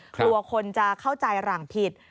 กลัวคนจะเข้าใจหลังผิด